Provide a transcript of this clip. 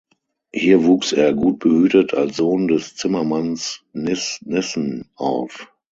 Hier wuchs er gut behütet als Sohn des Zimmermanns "Nis Nissen" auf.